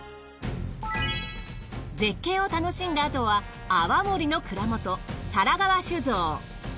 絶景を楽しんだあとは泡盛の蔵元多良川酒造。